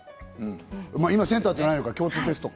今、センターじゃないか、共通テストか。